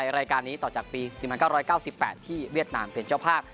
รายการนี้ต่อจากปี๑๙๙๘ที่เวียดนามเป็นเจ้าภาพ